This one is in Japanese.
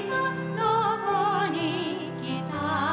「どこに来た」